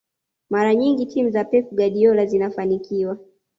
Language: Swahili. mara nyingi timu za pep guardiola zinafanikiwa